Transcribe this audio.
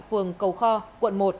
phường cầu kho quận một